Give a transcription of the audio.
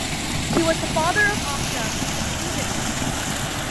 He was the father of Octa, who succeeded him.